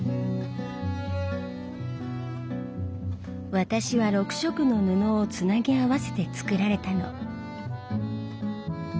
私は６色の布をつなぎ合わせて作られたの。